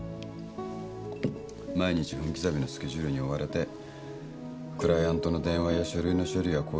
毎日分刻みのスケジュールに追われてクライアントの電話や書類の処理や交渉に追い立てられて。